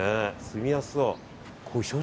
住みやすそう。